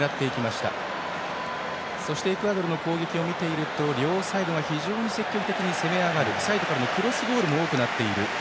エクアドルの攻撃を見ていると両サイドが非常に積極的に攻め上がりサイドからのクロスボールも多くなっている。